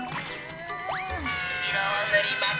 いろをぬります。